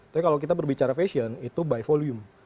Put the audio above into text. tapi kalau kita berbicara fashion itu by volume